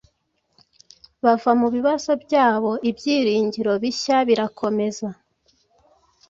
bava mubibazo byabo ibyiringiro bihya birakomeza